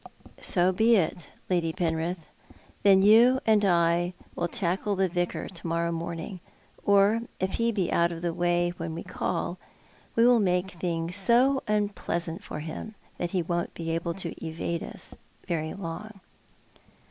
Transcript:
" So be it, Lady Penrith. Then you and I will tackle the Yicar to morrow morning, or if he be out of the way when we call, we will make things so unpleasant for him that he won't be able to evade us very long."